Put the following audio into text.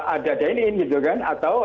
ada adainin gitu kan atau